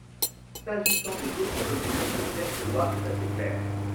S’agissant des autres communes, le texte de loi est assez clair.